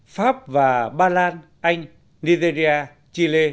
pháp và ba lan anh nigeria chile